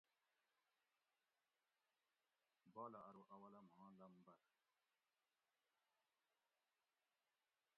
بالہ ارو اولہ ماں لٞمبر